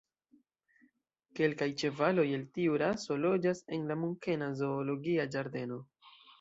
Kelkaj ĉevaloj el tiu raso loĝas en la munkena zoologia ĝardeno.